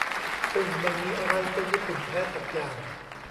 ซึ่งไม่มีอะไรเป็น "ญี่ปุ่นแท้" สักอย่าง